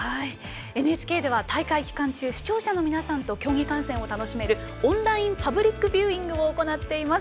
ＮＨＫでは大会期間中視聴者の皆さんと競技観戦を楽しめるオンラインパブリックビューイングを実施しています。